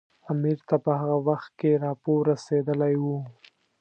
امیر ته په هغه وخت کې راپور رسېدلی وو.